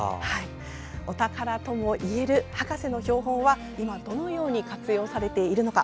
お宝ともいえる博士の標本は今どのように活用されているのか？